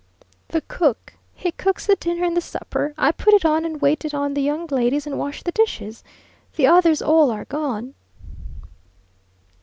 "The cook, he cooks the dinner and the supper; I put it on and wait it on the young ladies and wash the dishes. The others all are gone."